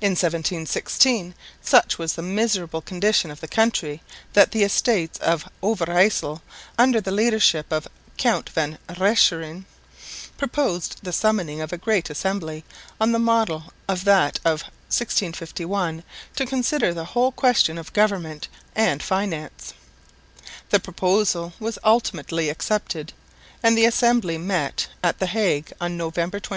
In 1716 such was the miserable condition of the country that the Estates of Overyssel, under the leadership of Count van Rechteren, proposed the summoning of a Great Assembly on the model of that of 1651 to consider the whole question of government and finance. The proposal was ultimately accepted, and the Assembly met at the Hague on November 28.